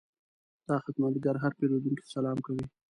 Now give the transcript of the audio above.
دا خدمتګر هر پیرودونکي ته سلام کوي.